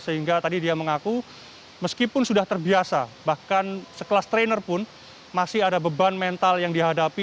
sehingga tadi dia mengaku meskipun sudah terbiasa bahkan sekelas trainer pun masih ada beban mental yang dihadapi